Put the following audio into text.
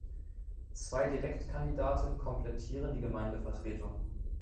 Zwei Direktkandidaten komplettieren die Gemeindevertretung.